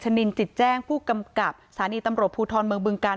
นินจิตแจ้งผู้กำกับสถานีตำรวจภูทรเมืองบึงกาล